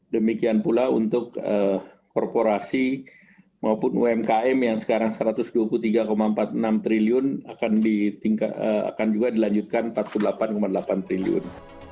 demikian pula untuk korporasi maupun umkm yang sekarang satu ratus dua puluh tiga empat puluh enam triliun akan juga dilanjutkan empat puluh delapan delapan triliun